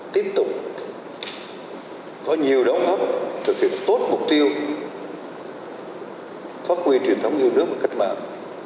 tiếp tục có nhiều đóng góp thực hiện tốt mục tiêu phát huy truyền thống yêu nước và cách mạng